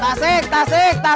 tasik tasik tasik